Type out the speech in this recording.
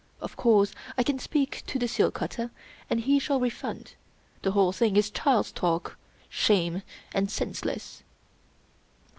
Of course I can speak to the seal cutter, and he shall refund. The whole thing is child's talk — shame — and senseless."